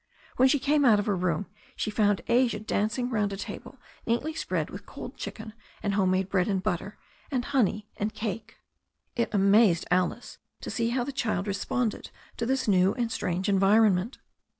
When she came out of her room she found Asia danc« 24 THE STORY OF A NEW ZEALAND RIVER ing round a table neatly spread with cold chicken and home made bread and butter and honey and cake. It amazed Alice to see how the child responded to this new and strange environment.